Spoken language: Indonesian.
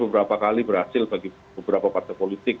beberapa kali berhasil bagi beberapa partai politik